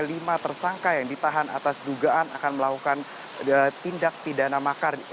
lima tersangka yang ditahan atas dugaan akan melakukan tindak pidana makar